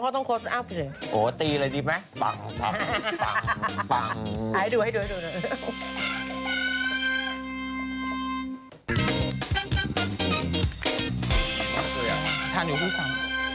ธานิวฟูสัม